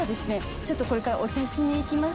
ちょっとこれからお茶しに行きます。